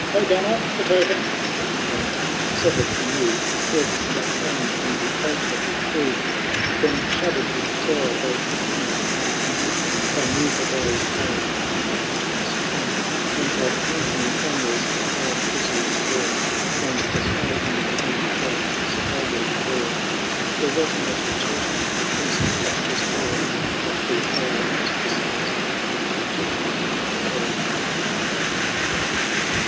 * Ho, Gunnar !— ^the token ! ''—and, sever'd anew, A head and a hand on the altar he threw. Then shudder'd with terror both Canon and Monk, They knew the glased eye and the counteuanoe ihriuky W^^^^" ™^*"*^ Canto I V, HJk ROLD THE DA UNTLB8S. 161 And of Anthony Conyers the half grizzled hair. And the scar on the hand of Sir Alberic Vere. There was not a churchman or priest that was there, But grew pale at the sight, and betook him to prayer.